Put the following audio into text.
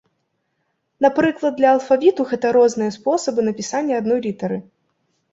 Напрыклад для алфавіту гэта розныя спосабы напісання адной літары.